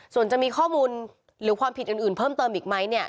ส่วนจะมีข้อมูลหรือความผิดอื่นเพิ่มเติมอีกไหมเนี่ย